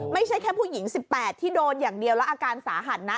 ไม่ใช่แค่ผู้หญิง๑๘ที่โดนอย่างเดียวแล้วอาการสาหัสนะ